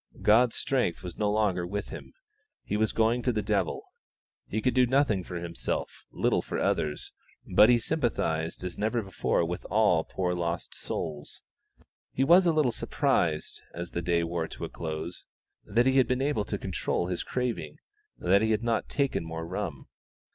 God's strength was no longer with him; he was going to the devil; he could do nothing for himself, little for others; but he sympathised as never before with all poor lost souls. He was a little surprised, as the day wore to a close, that he had been able to control his craving, that he had not taken more rum.